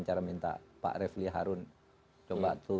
cara minta pak refli harun coba tuh